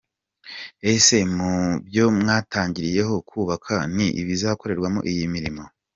Ese mu byo mwatangiriyeho kubaka ni ibizakorerwamo iyihe mirimo?.